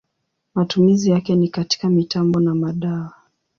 Matumizi yake ni katika mitambo na madawa.